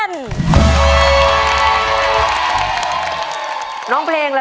ยิ่งเสียใจ